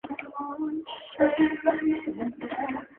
此外还成立子公司精灵宝可梦有限公司。